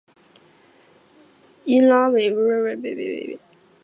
因格拉姆是位于美国加利福尼亚州门多西诺县的一个非建制地区。